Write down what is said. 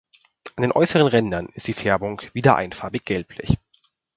An den äußeren Rändern ist die Färbung wieder einfarbig gelblich.